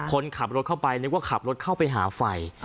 คนขับรถเข้าไปนึกว่าขับรถเข้าไปหาไฟ